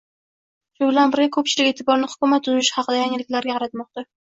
Shu bilan birga, ko'pchilik e'tiborini hukumat tuzilishi haqidagi yangiliklarga qaratmoqda